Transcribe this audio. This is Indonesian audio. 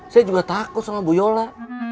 saya juga takut sama bu yola